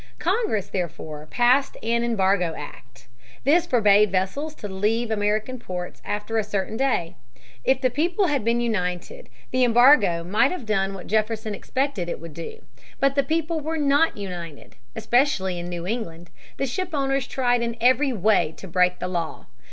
Congress therefore passed an Embargo Act. This forbade vessels to leave American ports after a certain day. If the people had been united, the embargo might have done what Jefferson expected it would do. But the people were not united. Especially in New England, the shipowners tried in every way to break the law.